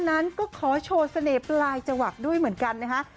นั้นก็ขอโชว์เสน่ห์ปลายจวักด้วยเหมือนกันนะฮะ